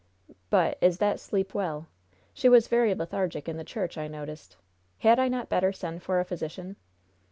"But, is that sleep well? She was very lethargic in the church, I noticed. Had I not better send for a physician?"